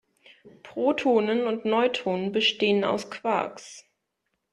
Protonen und Neutronen bestehen aus Quarks.